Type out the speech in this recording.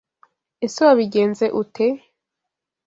Ese Wabigenze ute? (